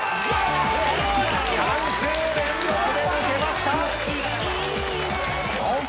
３週連続で抜けました！